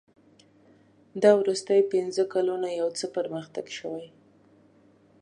دا وروستي پنځه کلونه یو څه پرمختګ شوی.